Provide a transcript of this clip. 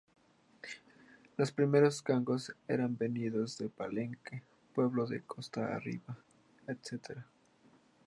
Los primeros Congos eran venidos de Palenque, pueblo de Costa Arriba, eta.